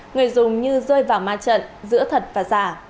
người dùng như rơi vào ma trận giữa thật và giả